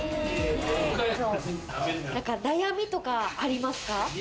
悩みとかありますか？